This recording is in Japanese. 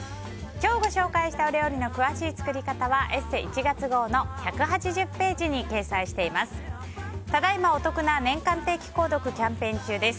今日ご紹介したお料理の詳しい作り方は「ＥＳＳＥ」１月号の１８０ページに掲載しています。